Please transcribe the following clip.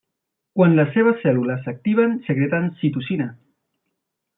Quan les seves cèl·lules s'activen secreten citocina.